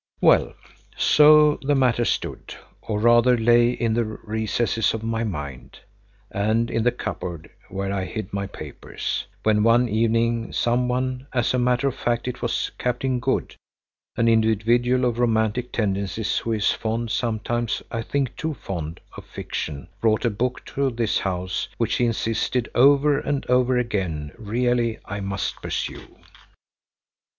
Well, so the matter stood, or rather lay in the recesses of my mind—and in the cupboard where I hide my papers—when one evening someone, as a matter of fact it was Captain Good, an individual of romantic tendencies who is fond, sometimes I think too fond, of fiction, brought a book to this house which he insisted over and over again really I must peruse.